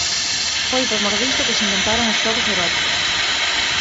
Foi por mor disto que se inventaron os xogos eróticos.